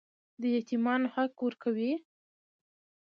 د یتیمانو حق ورکوئ؟